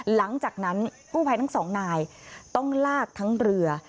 หลังจากนั้นกู้ภัยทั้งสองนายต้องลากทั้งเรือ